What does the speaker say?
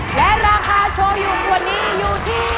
และราคาโชว์อยู่วันนี้อยู่ที่